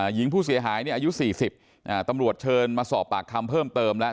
หญิงผู้เสียหายอายุ๔๐ตำรวจเชิญมาสอบปากคำเพิ่มเติมแล้ว